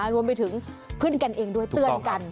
รวมไปถึงเพื่อนกันเองด้วยเตือนกัน